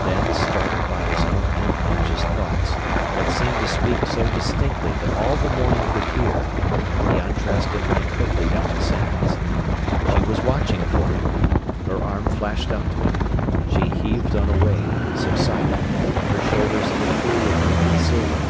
Then, startled by his own unconscious thoughts, that seemed to speak so distinctly that all the morning could hear, he undressed and ran quickly down the sands. She was watching for him. Her arm flashed up to him, she heaved on a wave, subsided, her shoulders in a pool of liquid silver.